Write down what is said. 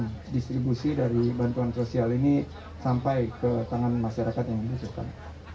dan distribusi dari bantuan sosial ini sampai ke tangan masyarakat yang diperlukan